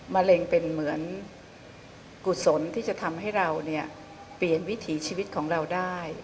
มะเร็งเป็นเหมือนกุศลที่จะทำให้เราเนี่ยเปลี่ยนวิถีชีวิตของเราได้